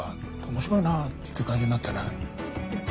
面白いなって感じになってね。